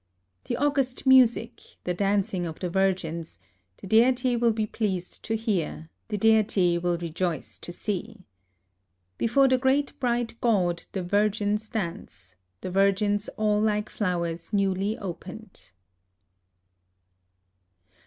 " The august music, the dancing of the virgins, — the Deity will he pleased to hear, the Deity will rejoice to see. " Before the great bright God the virgins dance, — the virgins all like flowers newly opened.''''